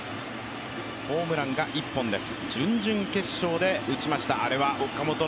ホームランが１本です。